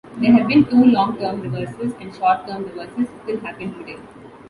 There have been two long-term reversals, and short-term reversals still happen today.